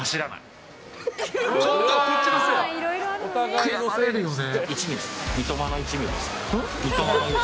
悔やまれるよね。